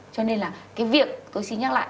cho nên là cái việc tôi xin nhắc lại